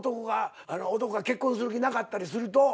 男が結婚する気なかったりすると。